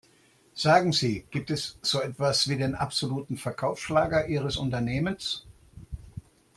Sagen Sie, gibt es so etwas wie den absoluten Verkaufsschlager ihres Unternehmens?